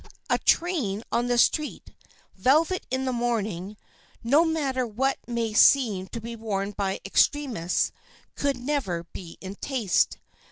A train on the street, velvet in the morning, no matter what may seem to be worn by extremists, could never be in taste.